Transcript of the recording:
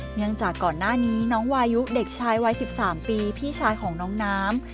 เนื่องจากก่อนหน้านี้น้องวายุเด็กชายวัย๑๓ปีพี่ชายของน้องน้ำ